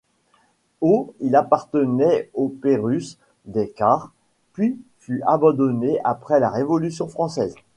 Au il appartenait aux Pérusse des Cars, puis fut abandonné après la Révolution française.